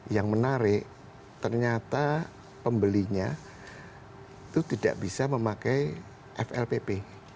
yang menarik ternyata pembelinya itu tidak bisa memakai flpp